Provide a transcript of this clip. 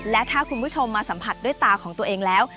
และถ้าคุณผู้ชมมาสัมผัสด้วยตาของตัวเองแล้ว